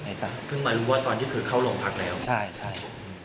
เพิ่งมารู้ว่าตอนนี้คือเข้าโรงพักแล้วใช่ใช่